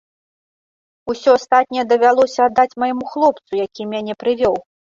Усё астатняе давялося аддаць майму хлопцу, які мяне прывёў.